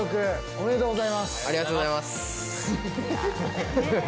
ありがとうございます。